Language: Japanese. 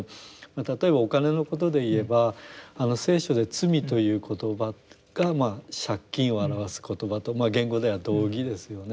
例えばお金のことで言えば聖書で罪という言葉が借金を表す言葉と原語では同義ですよね。